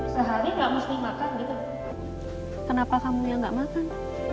sehari nggak mesti makan gitu kenapa kamu yang nggak makan